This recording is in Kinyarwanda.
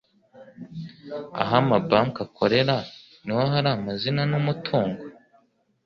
aho amabanki akorera niho har amazina n umutungo